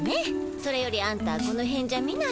それよりあんたこのへんじゃ見ない子だね。